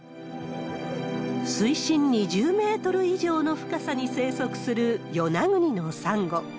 水深２０メートル以上の深さに生息する与那国のサンゴ。